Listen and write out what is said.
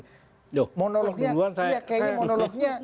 doh dulu duluan saya